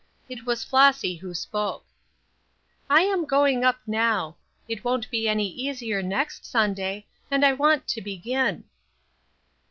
It was Flossy who spoke: "I am going up now; it won't be any easier next Sunday, and I want to begin."